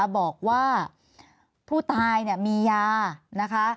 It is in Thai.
บอกว่าผู้ตายมียานะคะ